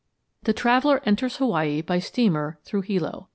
The traveller enters Hawaii by steamer through Hilo.